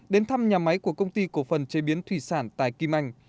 đến thăm nhà máy của công ty cổ phần chế biến thủy sản tài kim anh